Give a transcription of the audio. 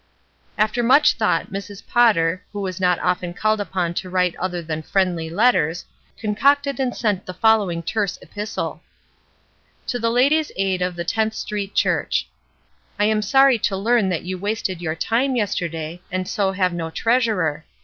''| After much thought Mrs. Potter, who was not often called upon to write other than friendly letters, concocted and sent the following terse epistle :— "To the Ladies' Aid of the 10th Street Church: "I am sorry to learn that you wasted your time yesterday, and so have no treasurer.